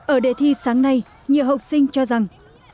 ở đề thi sáng nay nhiều học sinh cho rằng